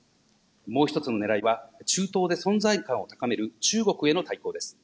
もう１つのねらいは、中東で存在感を高める中国への対抗です。